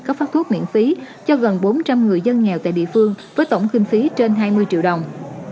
cấp phát thuốc miễn phí cho gần bốn trăm linh người dân nghèo tại địa phương với tổng kinh phí trên hai mươi triệu đồng